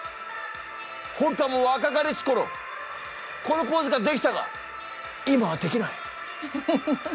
本官も若かりし頃このポーズができたが今はできない。